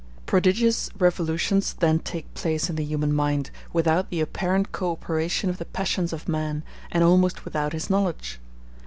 Prodigious revolutions then take place in the human mind, without the apparent co operation of the passions of man, and almost without his knowledge.